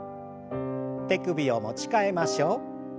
手首を持ち替えましょう。